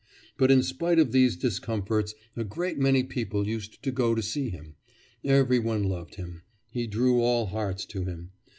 But in spite of these discomforts a great many people used to go to see him. Every one loved him; he drew all hearts to him.